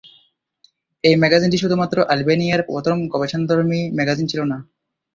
এই ম্যাগাজিনটি শুধুমাত্র আলবেনিয়ার প্রথম গবেষণাধর্মী ম্যাগাজিন ছিলো না।